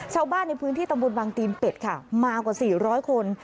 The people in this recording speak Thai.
ชาวบ้านในพื้นที่ตำบลบางตีนเป็ดค่ะมากว่า๔๐๐คน